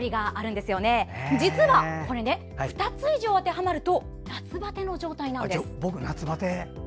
実は、２つ以上当てはまると夏バテの状態なんです。